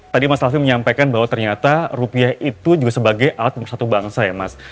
tadi mas alvin menyampaikan bahwa ternyata rupiah itu juga sebagai alat untuk satu bangsa ya mas